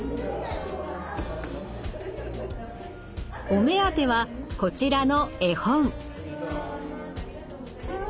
お目当てはこちらの絵本。